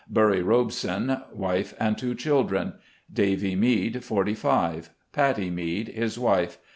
Burry Robeson, wife and two children. Davy Mead, 45. Patty Mead, his wife.